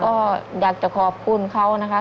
ก็อยากจะขอบคุณเขานะคะ